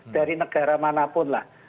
dari negara manapun lah